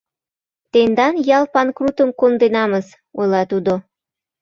Тендан ял панкрутым конденамыс, — ойла тудо.